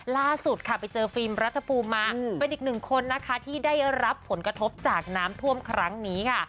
ล่าสุดค่ะไปเจอฟิล์มรัฐภูมิมาเป็นอีกหนึ่งคนนะคะที่ได้รับผลกระทบจากน้ำท่วมครั้งนี้ค่ะ